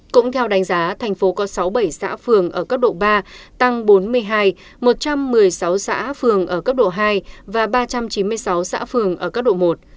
cũng theo đánh giá thành phố có sáu mươi bảy xã phường ở cấp độ ba tăng bốn mươi hai một trăm một mươi sáu xã phường ở cấp độ hai và ba trăm chín mươi sáu xã phường ở cấp độ một